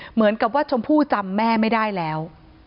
เหมือนกับว่าชมพู่จำแม่ไม่ได้แล้ว